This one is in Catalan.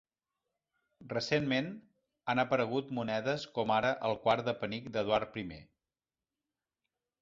Recentment, han aparegut monedes com ara el quart de penic d'Eduard I.